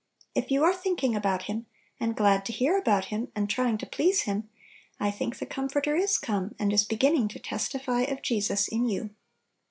If you are thinking about Him, and glad to hear about Him, and trying to please Him, I think the Comforter is come, and is beginning to testify of Jesus in you.